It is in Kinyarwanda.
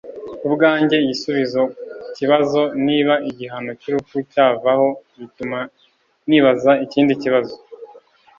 'Ku bwanjye igisubizo ku kibazo niba igihano cy'urupfu cyavaho bituma nibaza ikindi kibazo